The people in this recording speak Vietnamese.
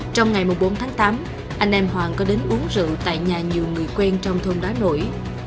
trong ngày bốn tháng tám anh em hoàng có đến uống rượu tại nhà nhiều người quen trong thôn đá nổi